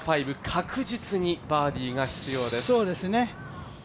５確実にバーディーが必要です。